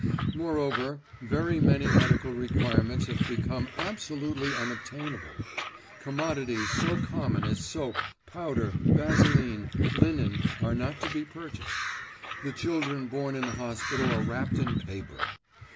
Moreover, very many medical requirements have become absolutely unobtainable. Commodities so common as soap, powder, vaseline, linen are not to be purchased. The children born in the hospital are wrapped in paper.